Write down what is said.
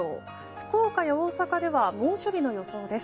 福岡や大阪では猛暑日の予想です。